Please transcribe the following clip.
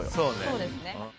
そうですね。